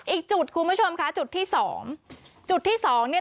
อีกจุดคุณผู้ชมค่ะจุดที่สองจุดที่สองเนี่ย